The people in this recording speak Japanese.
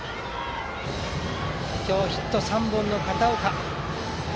今日ヒット３本の片岡。